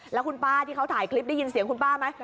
แล้วคุณป้าที่เขาถ่ายคลิปได้ยินเสียงคุณป้าไหม